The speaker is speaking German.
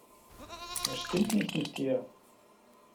Was stimmt nicht mit dir?